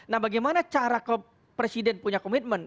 nah bagaimana cara kalau presiden punya komitmen